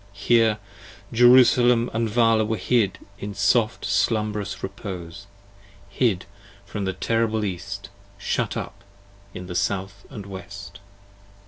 Here Jerusalem & Vala were hid in soft slumberous repose, Hid from the terrible East, shut up in the South & West.